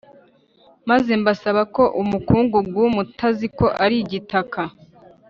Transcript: Maze mbasaba ko umukungugu mutaziko ari igitaka